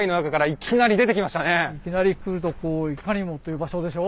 いきなり来るとこういかにもという場所でしょ？